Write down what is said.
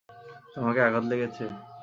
তোমার আঘাত লেগেছে?